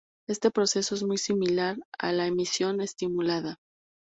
Este proceso es muy similar a la emisión estimulada.